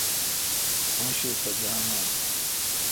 اوں شہ صدام اؘ ۔